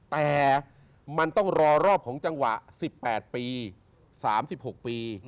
แต่มันต้องรอรอบของจังหวะ๑๘ปี๓๖ปี